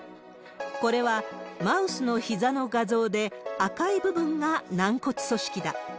これは、マウスのひざの画像で、赤い部分が軟骨組織だ。